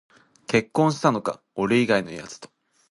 結婚したのか、俺以外のやつと